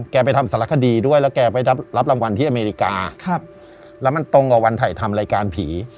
ไปทำสารคดีด้วยแล้วแกไปรับรางวัลที่อเมริกาแล้วมันตรงกับวันถ่ายทำรายการผี